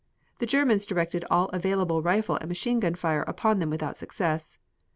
The Germans directed all available rifle and machine gun fire upon them without success.